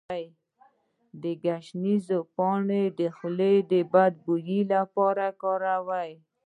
د ګشنیز پاڼې د خولې د بد بوی لپاره وکاروئ